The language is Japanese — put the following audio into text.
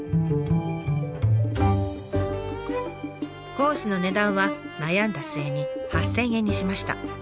コースの値段は悩んだ末に８，０００円にしました。